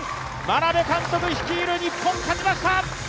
眞鍋監督率いる日本、勝ちました。